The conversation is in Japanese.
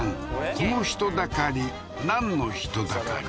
この人だかりなんの人だかり？